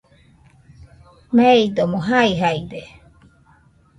meidomo jaijaide.